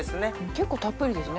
結構たっぷりですね。